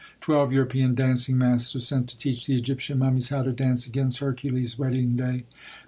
Twelve European dancing masters, sent to teach the Egyptian mummies how to dance, against Hercules' wedding day.